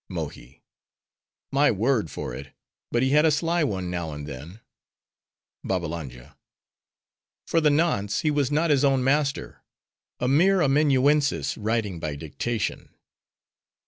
MOHI—My word for it; but he had a sly one, now and then. BABBALANJA—For the nonce, he was not his own master: a mere amanuensis writing by dictation.